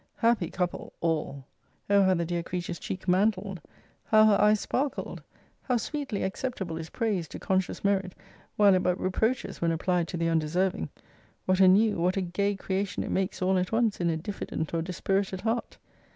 Happy couple, all! O how the dear creature's cheek mantled! How her eyes sparkled! How sweetly acceptable is praise to conscious merit, while it but reproaches when applied to the undeserving! What a new, what a gay creation it makes all at once in a diffident or dispirited heart!